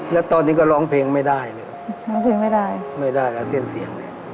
แล้วตอนนี้ก็ร้องเพลงไม่ได้เนี่ยร้องเพลงไม่ได้ไม่ได้กับเส้นเสียงเลย